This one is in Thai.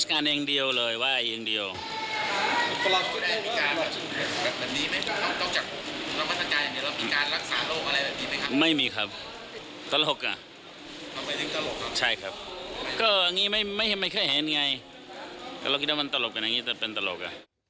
ก็คิดว่ามันตลกกันอย่างนี้แต่เป็นตลกอ่ะ